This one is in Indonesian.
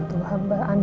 gue ngerasa seperti apa